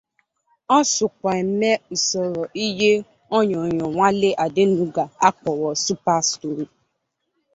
O sokwa eme usoro ịhe onyonyo Wale Adenuga akpọrọ super story.